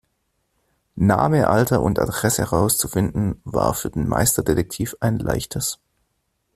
Name, Alter und Adresse herauszufinden, war für den Meisterdetektiv ein Leichtes.